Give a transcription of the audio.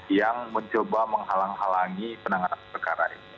yang mencoba menghalang halangi penanganan perkara ini